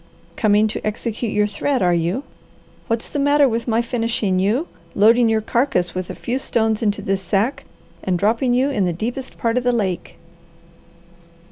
Coming to execute your threat, are you? What's the matter with my finishing you, loading your carcass with a few stones into this sack, and dropping you in the deepest part of the lake."